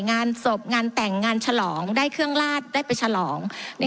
งานศพงานแต่งงานฉลองได้เครื่องลาดได้ไปฉลอง